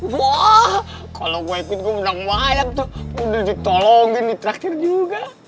wah kalo gue ikut gue menang mayat tuh gue udah ditolongin di traktir juga